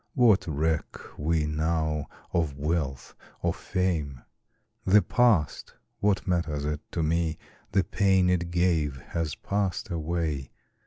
What reck we now of wealth or fame? The past what matters it to me? The pain it gave has passed away.